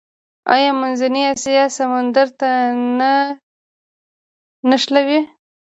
آیا منځنۍ اسیا سمندر ته نه نښلوي؟